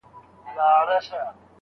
تر دې ډنډه یو کشپ وو هم راغلی